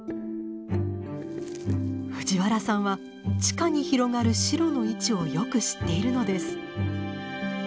藤原さんは地下に広がる「シロ」の位置をよく知っているのです。